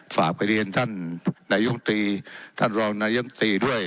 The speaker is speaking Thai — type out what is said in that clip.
ฝากไปเรียนท่านนายกตรีท่านรองนายกรรมตรีด้วย